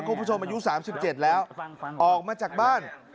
คุณผู้ชมอายุสามสิบเจ็ดแล้วออกมาจากบ้าน